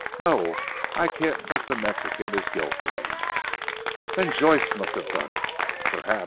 No, I can't think the Mexican is guilty." "Then Joyce must have done it." "Perhaps.